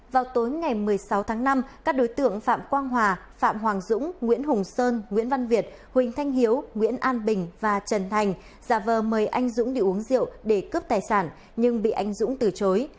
vào tối ngày một mươi sáu tháng năm các đối tượng phạm quang hòa phạm hoàng dũng nguyễn hùng sơn nguyễn văn việt huỳnh thanh hiếu nguyễn an bình và trần thành giả vờ mời anh dũng đi uống rượu để cướp tài sản nhưng bị anh dũng từ chối